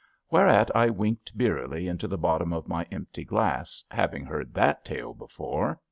Whereat I winked beerily into the bottom of my empty glass, having heard that tale before.